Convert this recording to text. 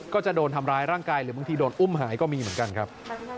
ก็จะโดนทำร้ายร่างกายหรือบางทีโดนอุ้มหายก็มีเหมือนกันครับ